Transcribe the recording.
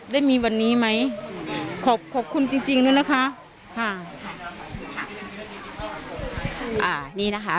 ได้มีวันนี้ไหมขอขอบคุณจริงจริงด้วยนะคะค่ะอ่านี่นะคะ